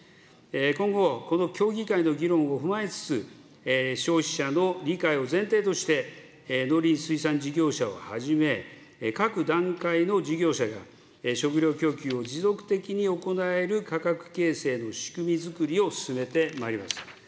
今後、この協議会の議論を踏まえつつ、消費者の理解を前提として、農林水産事業者をはじめ、各段階の事業者が食料供給を持続的に行える価格形成の仕組み作りを進めてまいります。